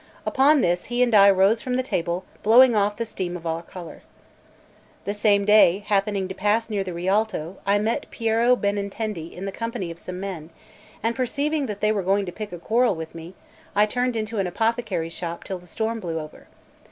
Upon this he and I rose from table blowing off the steam of our choler. The same day, happening to pass near the Rialto, I met Piero Benintendi in the company of some men; and perceiving that they were going to pick a quarrel with me, I turned into an apothecary's shop till the storm blew over.